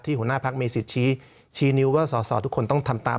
หัวหน้าพักมีสิทธิ์ชี้นิ้วว่าสอสอทุกคนต้องทำตาม